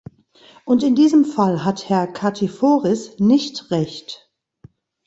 Und in diesem Fall hat Herr Katiforis nicht Recht!